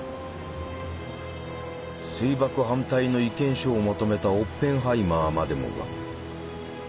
水爆反対の意見書をまとめたオッペンハイマーまでもが。